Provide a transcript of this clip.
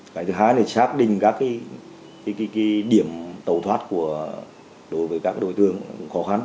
cái thứ hai là xác định các điểm tẩu thoát đối với các đội thương khó khăn